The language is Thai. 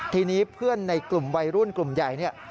ทีนี้เพื่อนในกลุ่มวัยรุ่นกลุ่มใหญ่เนี่ย